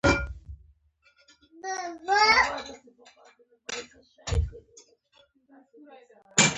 پوزه ښه ده.